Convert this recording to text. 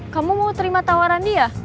kamu mau terima tawaran dia